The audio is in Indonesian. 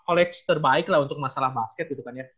sekolah apa college terbaik lah untuk masalah basket gitu kan ya